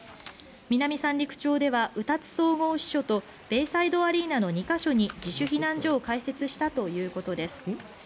南三陸町では、歌津総合支所とベイサイドアリーナの２ヶ所に自主避難所を開設したということです。